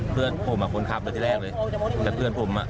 เพื่อนผมอ่ะคนขับมาที่แรกเลยแต่เพื่อนผมอ่ะ